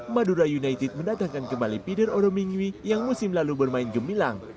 madura united mendatangkan kembali peder odomingwi yang musim lalu bermain gemilang